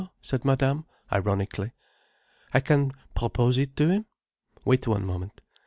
said Madame ironically. "I can propose it to him. Wait one moment."